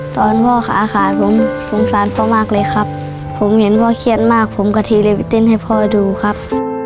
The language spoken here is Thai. ตอนพ่อขาขาดผมสงสารพ่อมากเลยครับผมเห็นพ่อเครียดมากผมก็เทเลไปเต้นให้พ่อดูครับ